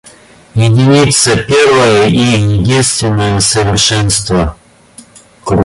Единица первое и единственное совершенство.